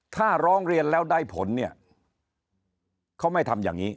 ถ้าร้องเรียนแล้วได้ผลเนี่ยเขาไม่ทำอย่างนี้